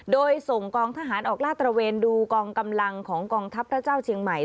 โดยส่งกองทหารออกลาดตระเวนดูกองกำลังของกองทัพพระเจ้าเชียงใหม่